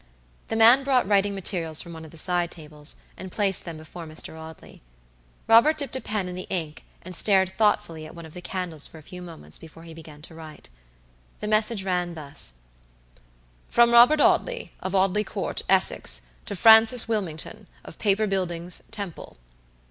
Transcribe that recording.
The man brought writing materials from one of the side tables, and placed them before Mr. Audley. Robert dipped a pen in the ink, and stared thoughtfully at one of the candles for a few moments before he began to write. The message ran thus: "From Robert Audley, of Audley Court, Essex, to Francis Wilmington, of Paper buildings, Temple.